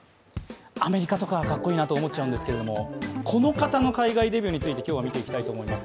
アメリカとかかっこいいなと思っちゃうんですけど、この方の海外デビューについて見ていきたいと思います。